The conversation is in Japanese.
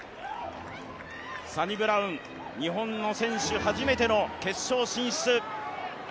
サニブラウン、日本の選手初めての決勝進出。